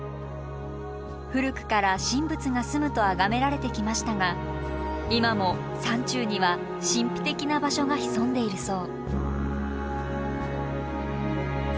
古くから神仏がすむと崇められてきましたが今も山中には神秘的な場所が潜んでいるそう。